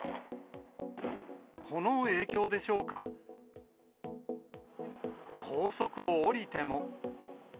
この影響でしょうか、高速を降りても。